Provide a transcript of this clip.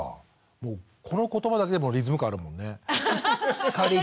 もうこの言葉だけでもリズム感あるもんね。